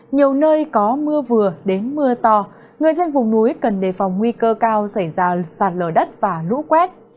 nhiều nơi có mưa vừa đến mưa to người dân vùng núi cần đề phòng nguy cơ cao xảy ra sạt lở đất và lũ quét